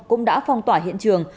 cũng đã phong tỏa hiện trường